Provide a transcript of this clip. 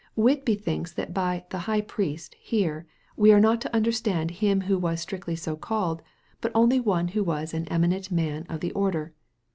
Whitby thinks that by "the High Priest" here, we are not to understand him who was strictly so called, but only one who was an eminent man of the order.